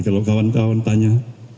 kalau kawan kawan tanya